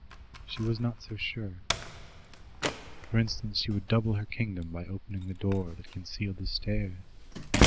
She was not so sure. For instance, she would double her kingdom by opening the door that concealed the stairs.